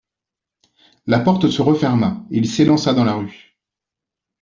La porte se referma et il s'élança dans la rue.